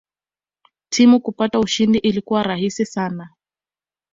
Timu kupata ushindi ilikuwa rahisi sana